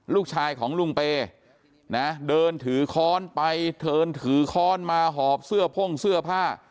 ลูกชายของลุงเปย์นะเดินถือค้อนไปเทินถือค้อนมาหอบเสื้อพ่งเสื้อผ้า